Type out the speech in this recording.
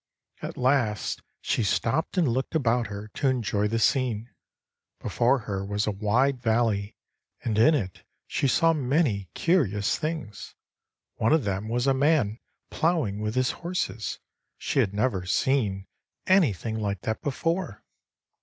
At last she stopped and looked about her to enjoy the scene. Before her was a wide valley, and in it she saw many curious things. One of them was a man plowing with horses. She had never seen anything like that before.